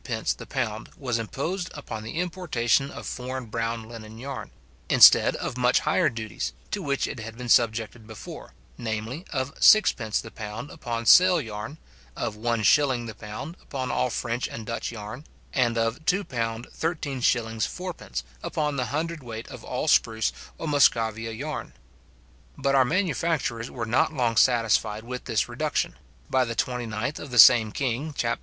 the pound was imposed upon the importation of foreign brown linen yarn, instead of much higher duties, to which it had been subjected before, viz. of 6d. the pound upon sail yarn, of 1s. the pound upon all French and Dutch yarn, and of £2:13:4 upon the hundred weight of all spruce or Muscovia yarn. But our manufacturers were not long satisfied with this reduction: by the 29th of the same king, chap.